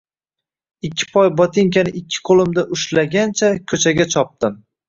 Ikki poy botinkani ikki qo‘limda ushlagancha ko‘chaga chopdim.